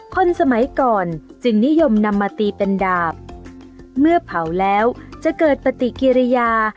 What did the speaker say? คนสมัยก่อนจึงนิยมนำมาตีเป็นดาบเมื่อเผาแล้วจะเกิดปฏิกิริยา